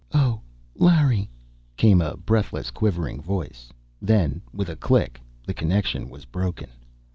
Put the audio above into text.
"Oh, Larry " came a breathless, quivering voice. Then, with a click, the connection was broken.